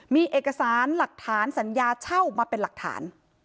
มีเอกสารหลักฐานสัญญาเช่ามาเป็นหลักฐาน